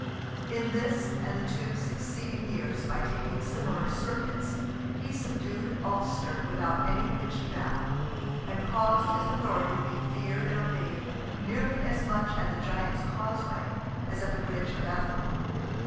In this and the two succeeding years, by taking similar "circuits," he subdued Ulster, without any pitched battle, and caused his authority to be feared and obeyed nearly as much at the Giant's Causeway as at the bridge of Athlone.